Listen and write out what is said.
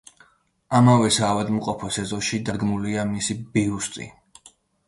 ამავე საავადმყოფოს ეზოში დადგმულია მისი ბიუსტი.